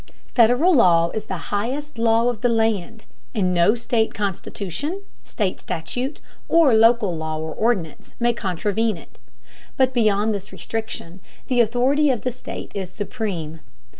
Federal law is the highest law of the land, and no state constitution, state statute, or local law or ordinance, may contravene it. But beyond this restriction, the authority of the state is supreme.